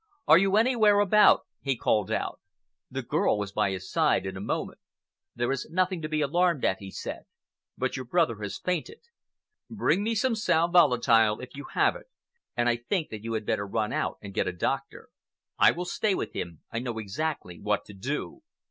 "Are you anywhere about?" he called out. The girl was by his side in a moment. "There is nothing to be alarmed at," he said, "but your brother has fainted. Bring me some sal volatile if you have it, and I think that you had better run out and get a doctor. I will stay with him. I know exactly what to do."